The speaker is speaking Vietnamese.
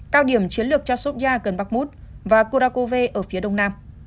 cao điểm chiến lược chasovia gần bakhmut và kurakove ở phía đông nam